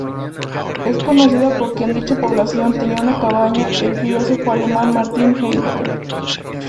Es conocida porque en dicha población tenía una cabaña el filósofo alemán Martin Heidegger.